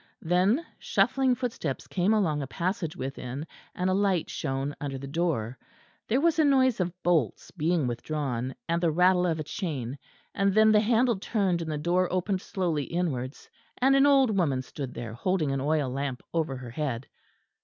Then shuffling footsteps came along a passage within, and a light shone under the door. There was a noise of bolts being withdrawn, and the rattle of a chain; and then the handle turned and the door opened slowly inwards, and an old woman stood there holding an oil lamp over her head.